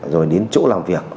rồi đến chỗ làm việc